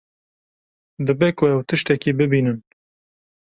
Dibe ku ew tiştekî bibînin.